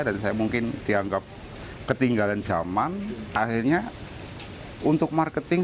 dan saya mungkin dianggap ketinggalan zaman akhirnya untuk marketing